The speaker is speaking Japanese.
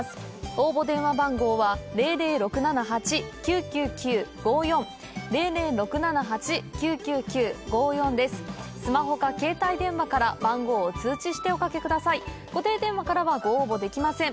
応募電話番号はスマホか携帯電話から番号を通知しておかけ下さい固定電話からはご応募できません